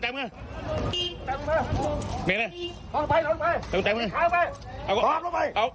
โอเครอบเลยก๋ะมามาก๋ะมามาลงรถเลย